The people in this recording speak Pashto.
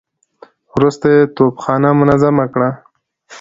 وروسته يې توپخانه منظمه کړه.